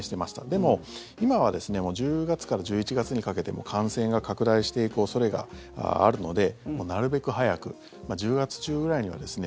でも、今はですね１０月から１１月にかけても感染が拡大していく恐れがあるのでもう、なるべく早く１０月中ぐらいにはですね